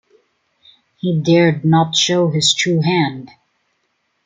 He dared not show his true hand.